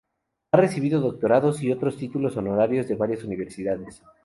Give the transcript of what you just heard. Ha recibido doctorados y otros títulos honorarios de varias universidades.